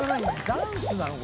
ダンスなの？